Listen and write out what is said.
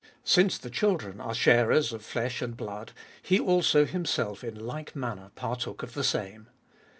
Since the children are sharers of flesh and blood, He also Himself in like manner partook of the same.